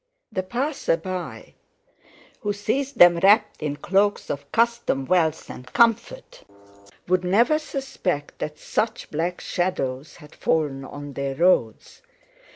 The passer by, who sees them wrapped in cloaks of custom, wealth, and comfort, would never suspect that such black shadows had fallen on their roads.